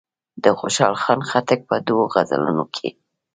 د خوشحال خان خټک په دوو غزلونو کې.